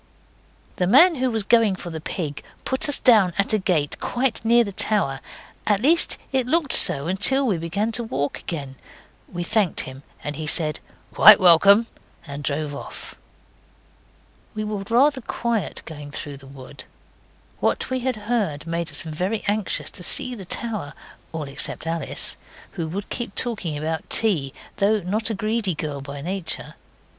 The man who was going for the pig put us down at a gate quite near the tower at least it looked so until we began to walk again. We thanked him, and he said 'Quite welcome,' and drove off. We were rather quiet going through the wood. What we had heard made us very anxious to see the tower all except Alice, who would keep talking about tea, though not a greedy girl by nature.